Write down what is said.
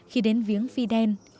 khi đến viếng fidel